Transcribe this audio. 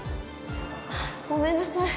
ごめんなさい。